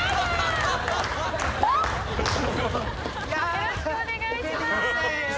よろしくお願いします。